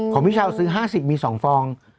ของพี่ชาวซื้อ๕๐มี๒ฟอง